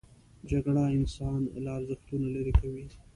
جګړه انسان له ارزښتونو لیرې کوي